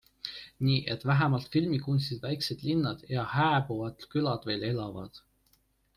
Nii et vähemalt filmikunstis väikesed linnad ja hääbuvad külad veel elavad.